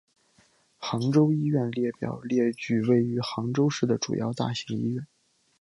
杭州医院列表列举位于杭州市的主要大型医院。